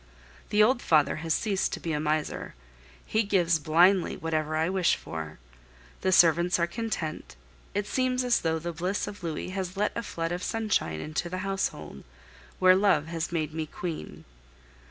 The old father has ceased to be a miser. He gives blindly whatever I wish for. The servants are content; it seems as though the bliss of Louis had let a flood of sunshine into the household, where love has made me queen.